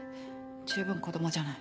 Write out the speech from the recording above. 十分子供じゃない。